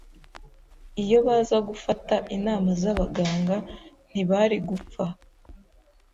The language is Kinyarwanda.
Iyo baza gufata inama zabaganga, ntibari gupfa.